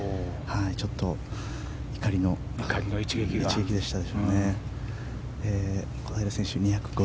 ちょっと怒りの一撃でしたね。